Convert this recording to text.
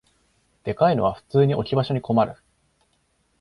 でかいのは普通に置き場所に困る